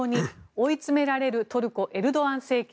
追いつめられるトルコ、エルドアン政権。